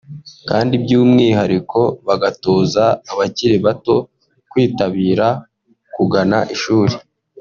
kandi by’umwihariko bagatoza abakiri bato kwitabira kugana ishuri